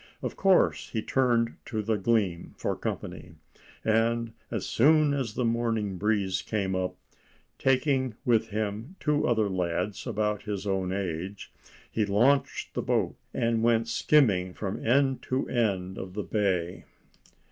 Of course he turned to the Gleam for company, and as soon as the morning breeze came up, taking with him two other lads about his own age, he launched the boat, and went skimming from end to end of the bay.